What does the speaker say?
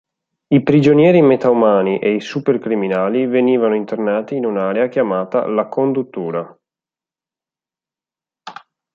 I prigionieri metaumani e i super criminali venivano internati in un'area chiamata "la Conduttura".